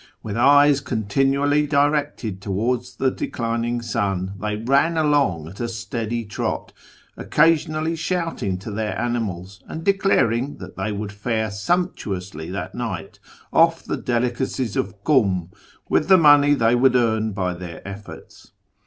With eyes con B tinually directed towards the declining sun, they ran along at \ a steady trot, occasionally shouting to their animals, and leclaring that they would fare sumptuously that night off the lelicacies of Kum with the money they would earn by their ifforts.